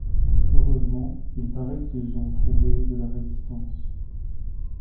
Heureusement il paraît qu’ils ont trouvé de la résistance.